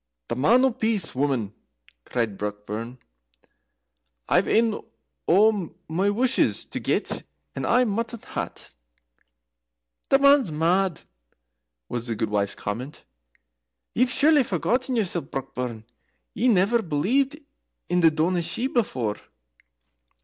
"The Man o' Peace, woman!" cried Brockburn. "I've ane o' my wushes to get, and I maun hae't." "The man's mad!" was the gudewife's comment. "Ye've surely forgotten yoursel, Brockburn. Ye never believed in the Daoiné Shi before."